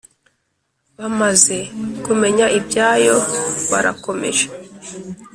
Bamaze kumenya ibyayo Barakomeje.